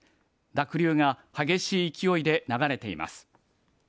濁流が激しい勢いで流れています。